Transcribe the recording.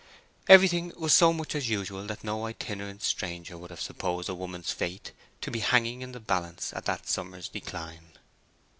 Everything was so much as usual that no itinerant stranger would have supposed a woman's fate to be hanging in the balance at that summer's decline.